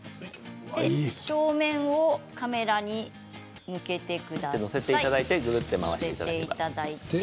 正面をカメラに向けてください。